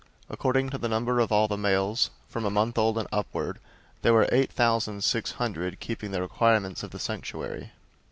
003:028 According to the number of all the males, from a month old and upward, there were eight thousand six hundred, keeping the charge of the sanctuary.